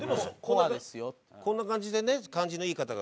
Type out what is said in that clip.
でもこんな感じでね感じのいい方がつけてて。